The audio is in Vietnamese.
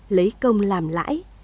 lấy công làm lãi